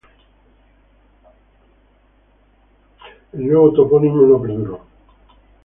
El nuevo topónimo no perduró.